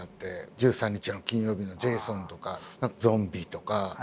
「１３日の金曜日」のジェイソンとかゾンビとか。